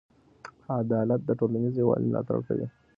عدالت د ټولنیز یووالي ملاتړ کوي.